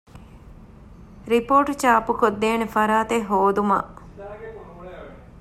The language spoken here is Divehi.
ރިޕޯޓު ޗާޕުކޮށްދޭނެ ފަރާތެއް ހޯދުމަށް